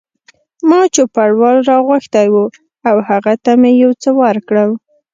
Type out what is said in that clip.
ما چوپړوال را غوښتی و او هغه ته مې یو څه ورکړل.